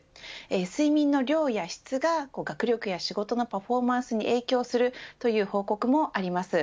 睡眠の量やひ質が学力や仕事のサポートに影響するという報告もあります。